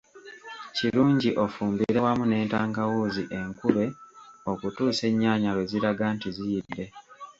Kirungi ofumbire wamu n'entangawuzi enkube okutuusa ennyanya lweziraga nti ziyidde.